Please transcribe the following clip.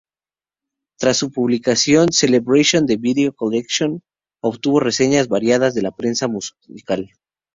Tras su publicación, "Celebration: The Video Collection" obtuvo reseñas variadas de la prensa musical.